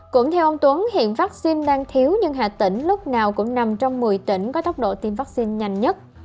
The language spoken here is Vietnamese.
cũng theo ông tuấn hiện vaccine đang thiếu nhưng hà tĩnh lúc nào cũng nằm trong một mươi tỉnh có tốc độ tiêm vaccine nhanh nhất